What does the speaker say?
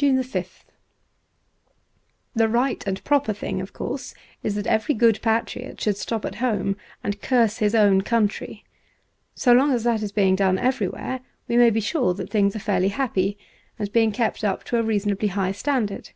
172 wmmmamm JUNE 5th THE right and proper thing, of course, is that every good patriot should stop at •home and curse his own country. So long as that is being done everywhere, we may be sure that things are fairly happy, and being kept up to a reasonably high standard.